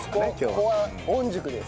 ここは御宿です。